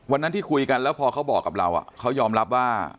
วันนั้นที่คุยกันแล้วพอเขาบอกกับเราเขายอมรับว่า